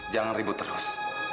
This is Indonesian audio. jangan ribut terus